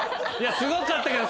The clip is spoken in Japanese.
すごかったけど。